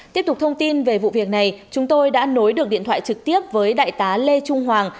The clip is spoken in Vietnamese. tiếp tục thông tin về vụ việc này chúng tôi đã nối được điện thoại trực tiếp với đại tá lê trung hoàng